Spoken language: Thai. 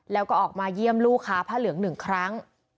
แล้วก็ออกมาเยี่ยมลูกค้าผ้าเหลือง๑ครั้ง